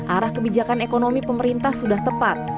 arah kebijakan ekonomi pemerintah sudah tepat